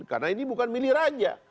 karena ini bukan milih raja